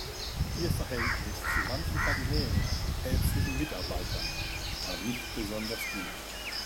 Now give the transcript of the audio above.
Ihr Verhältnis zu manchen Kardinälen und päpstlichen Mitarbeitern war nicht besonders gut.